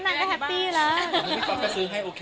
นั่งได้แฮปปี้แล้ว